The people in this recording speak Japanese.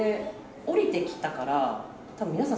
降りてきたからたぶん皆さん